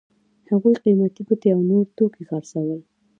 هغوی قیمتي ګوتې او نور توکي خرڅول.